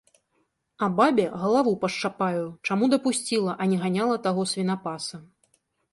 А бабе галаву пашчапаю, чаму дапусціла, а не ганяла таго свінапаса.